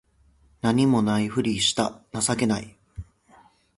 何も無いふりした情けない